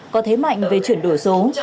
có thế mạnh về chuyển đổi số